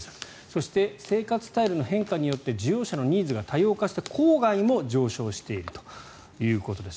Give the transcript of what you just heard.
そして生活スタイルの変化によって需要者のニーズが多様化して郊外も上昇しているということです。